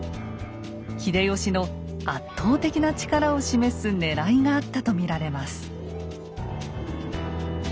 秀吉の圧倒的な力を示すねらいがあったと見られます。